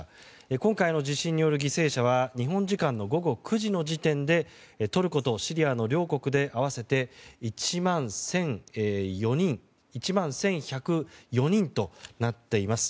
今回の地震による犠牲者は日本時間の午後９時の時点でトルコとシリアの両国で合わせて１万１１０４人となっています。